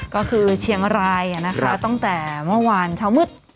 ก็คือเชียงรายตั้งแต่เมื่อวานเช้ามืด